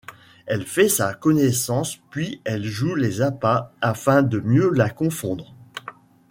Elle fait sa connaissance puis, elle joue les appâts afin de mieux la confondre.